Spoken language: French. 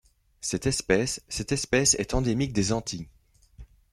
Cette espèce Cette espèce est endémique des Antilles.